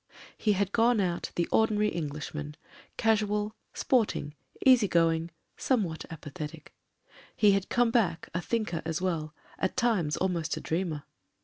He had gone out the ordinary Englishman — casual, sport ing, easy going, somewhat apathetic; he had come back a thinker as well, at times almost a dreamer.